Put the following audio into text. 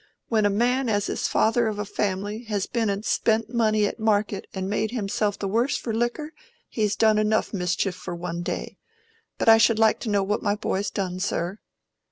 When a man as is father of a family has been an' spent money at market and made himself the worse for liquor, he's done enough mischief for one day. But I should like to know what my boy's done, sir."